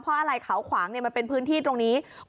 เพราะอะไรเขาขวางมันเป็นพื้นที่ตรงนี้